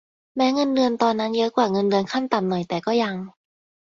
แม้เงินเดือนตอนนั้นเยอะกว่าเงินเดือนขั้นต่ำหน่อยแต่ก็ยัง